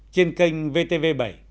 trên kênh vtv bảy